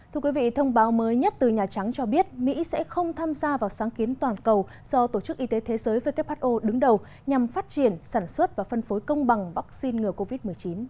thưa quý vị thông báo mới nhất từ nhà trắng cho biết mỹ sẽ không tham gia vào sáng kiến toàn cầu do tổ chức y tế thế giới who đứng đầu nhằm phát triển sản xuất và phân phối công bằng vaccine ngừa covid một mươi chín